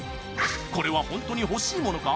これはホントに欲しいものか？